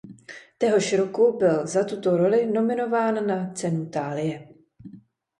Téhož roku byl za tuto roli nominován na cenu Thálie.